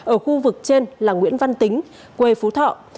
ở khu vực trên là nguyễn văn tính quê phú thọ